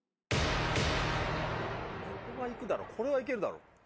ここは行くだろこれは行けるだろ。